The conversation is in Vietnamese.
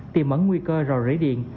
tìm ẩn nguy cơ rò rễ điện